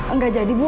enggak jadi bu